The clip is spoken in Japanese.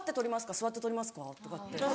座ってとりますか？」とかって。